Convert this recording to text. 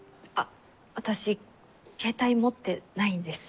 私、携帯持ってないんです。